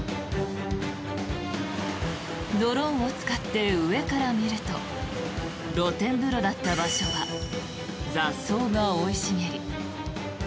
ドローンを使って上から見ると露天風呂だった場所は雑草が生い茂り。